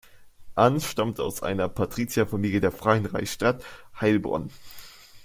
Anns stammte aus einer Patrizierfamilie der freien Reichsstadt Heilbronn.